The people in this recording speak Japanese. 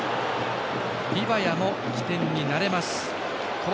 リバヤも起点になれます。